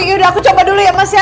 yaudah aku coba dulu ya mas ya